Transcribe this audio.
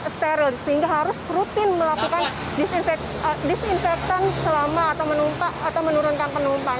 sehingga harus rutin melakukan disinfectant selama atau menurunkan penumpang